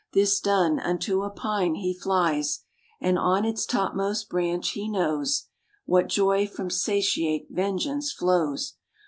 This done, unto a pine he flies, And on its topmost branch he knows What joy from satiate vengeance flows.